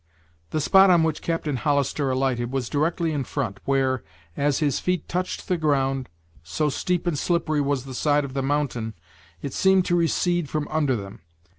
The spot on which Captain Hollister alighted was directly in front, where, as his feet touched the ground, so steep and slippery was the side of the mountain, it seemed to recede from under them.